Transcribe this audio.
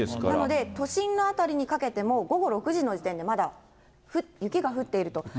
なので都心の辺りにかけても、午後６時の時点で、まだ雪が降っていると。